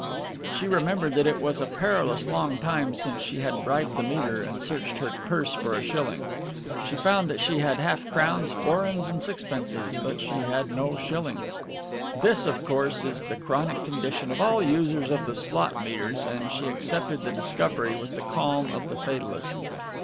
She remembered that it was a perilous long time since she had bribed the meter and searched her purse for a shilling. She found that she had half crowns, florins and sixpences, but she had no shillings. This, of course, is the chronic condition of all users of the slot meters, and she accepted the discovery with the calm of the fatalist.